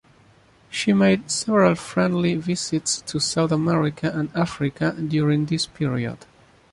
She made several friendly visits to South America and Africa during this period.